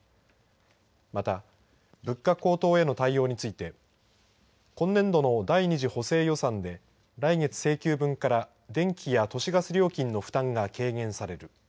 また、物価高騰への対応について今年度の第２次補正予算で来月請求分から電気や都市ガス料金の負担が軽減される。